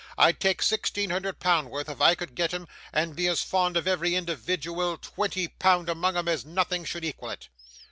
I'd take sixteen hundred pound worth if I could get 'em, and be as fond of every individual twenty pound among 'em as nothing should equal it!